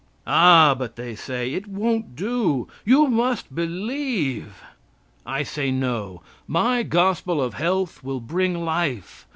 "Ah! but," they say, "it won't do. You must believe. I say no. My gospel of health will bring life.